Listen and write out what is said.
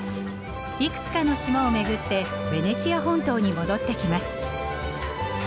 いくつかの島を巡ってベネチア本島に戻ってきます。